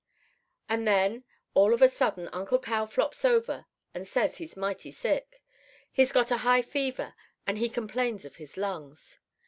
"And then all of a sudden Uncle Cal flops over and says he's mighty sick. He's got a high fever, and he complains of his lungs.